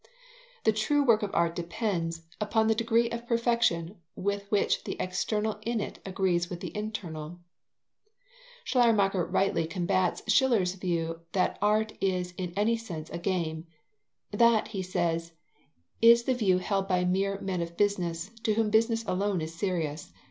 The true work of art depends upon the degree of perfection with which the external in it agrees with the internal. Schleiermacher rightly combats Schiller's view that art is in any sense a game. That, he says, is the view held by mere men of business, to whom business alone is serious.